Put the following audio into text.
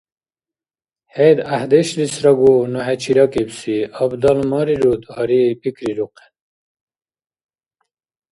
ХӀед гӀяхӀдешлисрагу ну хӀечи ракӀибси. Абдалмарируд, гъари, пикрирухъен...